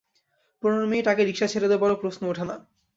পনের মিনিট আগে রিকশা ছেড়ে দেবারও প্রশ্ন ওঠে না।